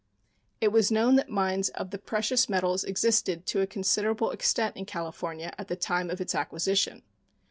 It was known that mines of the precious metals existed to a considerable extent in California at the time of its acquisition.